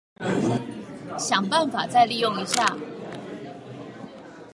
想個辦法再利用一下